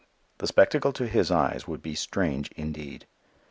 The spectacle to his eyes would be strange indeed.